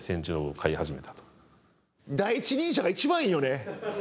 第一人者がいちばんいいよね。